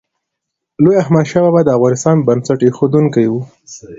لوی احمدشاه بابا د افغانستان بنسټ ایښودونکی و.